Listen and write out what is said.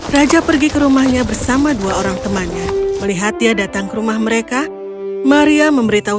raja pergi ke rumahnya bersama dua orang temannya melihat dia datang ke rumah mereka maria memberitahu